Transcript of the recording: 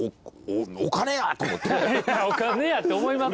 お金やって思います？